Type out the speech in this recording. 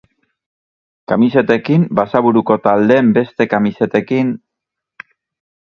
Kamisetekin, Basaburuko taldeen beste kamisetekin...